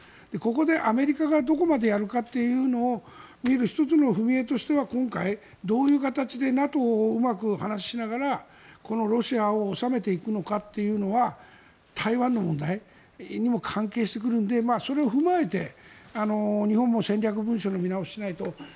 ここでアメリカがどこまでやるかというのを見る１つの踏み絵としては今回、どういう形でＮＡＴＯをうまく話しながらロシアを収めていくのかというのは台湾の問題にも関係してくるのでそれを踏まえて、日本も戦略文書の見直しをしないと。